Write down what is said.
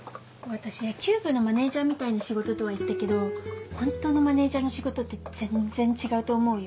私「野球部のマネジャーみたいな仕事」とは言ったけど本当のマネジャーの仕事って全然違うと思うよ。